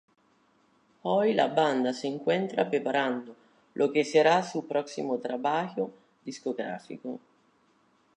Hoy la banda se encuentra preparando lo que será su próximo trabajo discográfico.